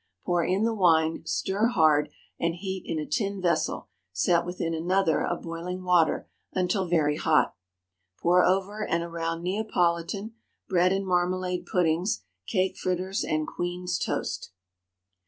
Pour in the wine, stir hard, and heat in a tin vessel, set within another of boiling water, until very hot. Pour over and around Neapolitan, bread and marmalade puddings, cake fritters, and Queen's toast.